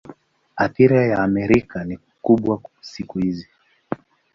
Athira ya Amerika ni kubwa siku hizi.